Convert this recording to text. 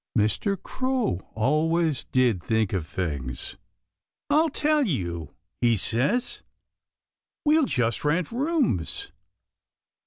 Mr. Crow always did think of things. "I'll tell you!" he says. "We'll just rent rooms."